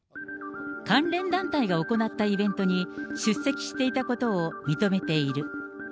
関連団体が行ったイベントに出席していたことを認めている。